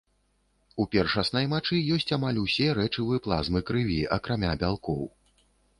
У першаснай мачы ёсць амаль усе рэчывы плазмы крыві, акрамя бялкоў.